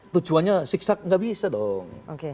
tujuannya siksak tidak bisa dong